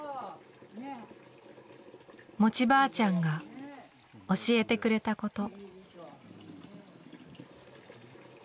餅ばあちゃんが教えてくれたこと。